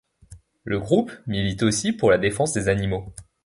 Le groupe milite aussi pour la défense des animaux.